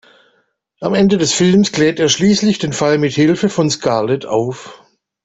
Am Ende des Films klärt er schließlich den Fall mit Hilfe von Scarlett auf.